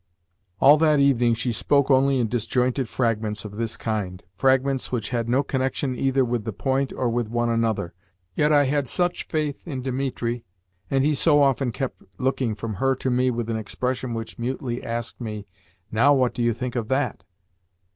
All that evening she spoke only in disjointed fragments of this kind fragments which had no connection either with the point or with one another; yet I had such faith in Dimitri, and he so often kept looking from her to me with an expression which mutely asked me, "Now, what do you think of that?"